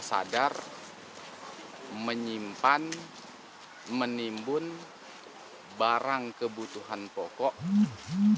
sadar menyimpan menimbun barang kebutuhan pokok yang mana diketahui